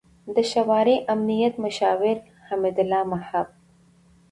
، د شورای امنیت مشاور حمد الله محب